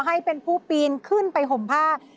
ให้เป็นผู้ปีนขึ้นไปห่มผ้า